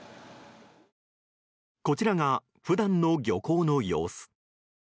こちらが普段の漁港の様子。